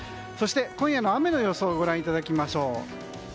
そして今夜の雨の予想をご覧いただきましょう。